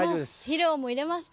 肥料も入れました。